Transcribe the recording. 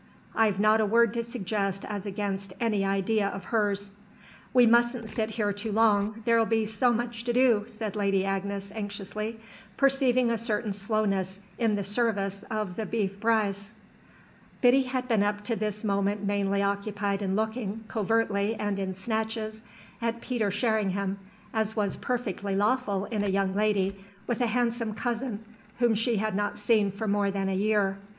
I've not a word to suggest as against any idea of hers." "We mustn't sit here too long, there'll be so much to do," said Lady Agnes anxiously, perceiving a certain slowness in the service of the boeuf braisé. Biddy had been up to this moment mainly occupied in looking, covertly and in snatches, at Peter Sherringham; as was perfectly lawful in a young lady with a handsome cousin whom she had not seen for more than a year.